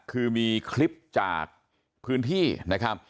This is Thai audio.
คือมีคลิปจากพื้นที่นะครับ